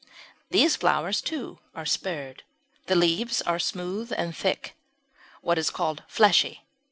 These flowers too are spurred. The leaves are smooth and thick what is called fleshy.